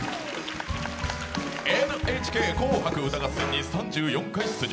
「ＮＨＫ紅白歌合戦」に３４回出場。